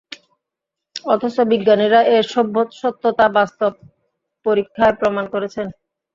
অথচ বিজ্ঞানীরা এর সত্যতা বাস্তব পরীক্ষায় প্রমাণ করেছেন।